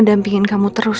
dampingin kamu terus